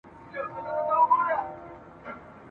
چي شاهداني مي د شیخ د جنازې وي وني ..